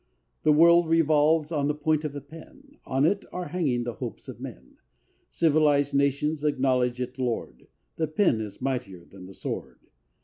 The world revolves on the point of a pen; On it are hanging the hopes of men. Civilized nations acknowledge it lord ; The pen is mightier than the sword.